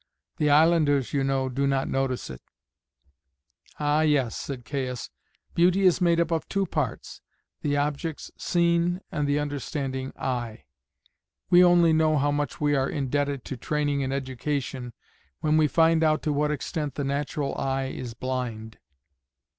The islanders, you know, do not notice it." "Ah, yes," said Caius; "beauty is made up of two parts the objects seen and the understanding eye. We only know how much we are indebted to training and education when we find out to what extent the natural eye is blind."